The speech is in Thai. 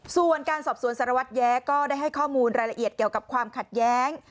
ส่วนการสอบสวนสารวัตรแย้ก็ได้ให้ข้อมูลรายละเอียดเกี่ยวกับความขัดแย้ง